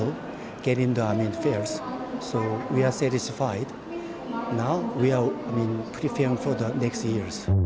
sekarang kami mencoba pameran ini di tahun seterusnya